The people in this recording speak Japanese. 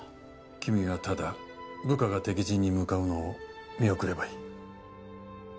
君は部下が敵陣に向かうのを見送ればいい。